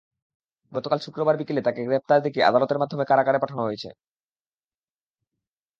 গতকাল শুক্রবার বিকেলে তাঁকে গ্রেপ্তার দেখিয়ে আদালতের মাধ্যমে কারাগারে পাঠানো হয়েছে।